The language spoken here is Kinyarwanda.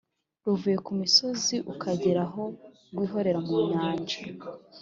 ruvuye ku misozi ukagera aho rwirohera mu nyanja